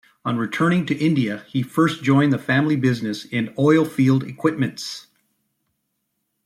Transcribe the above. On returning to India, he first joined the family business in oil-field equipments.